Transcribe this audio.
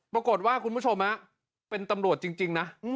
คุณผู้ชมเป็นตำรวจจริงนะ